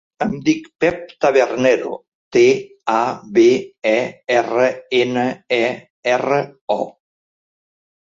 Em dic Pep Tabernero: te, a, be, e, erra, ena, e, erra, o.